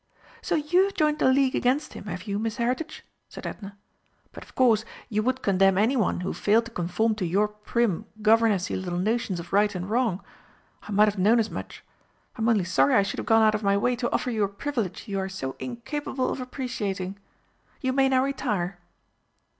"So you have joined the league against him, have you, Miss Heritage?" said Edna. "But, of course, you would condemn anyone who failed to conform to your prim, governessy little notions of right and wrong. I might have known as much! I am only sorry I should have gone out of my way to offer you a privilege you are so incapable of appreciating. You may now retire."